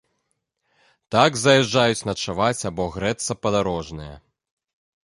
Так заязджаюць начаваць або грэцца падарожныя.